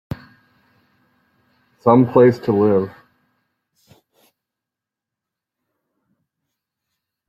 Some place to live!